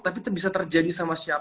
tapi itu bisa terjadi sama siapa